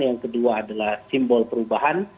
yang kedua adalah simbol perubahan